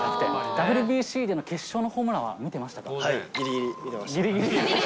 ＷＢＣでの決勝のホームランぎりぎり見てました。